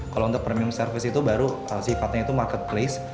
kalau untuk premium service itu baru sifatnya itu marketplace